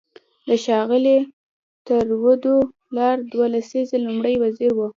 د ښاغلي ترودو پلار دوه لسیزې لومړی وزیر و.